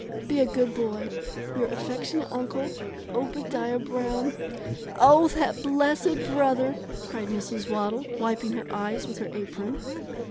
Be a good boy. Your affectionate uncle, OBADIAH BROWN. "Oh, that blessed brother!" cried Mrs. Waddle, wiping her eyes with her apron.